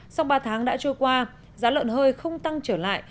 sau ba tháng đã trôi qua giá lợn hơi không tăng trở lại